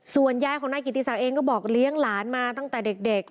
ส่วนยายของนายกิติศักดิ์เองก็บอกเลี้ยงหลานมาตั้งแต่เด็ก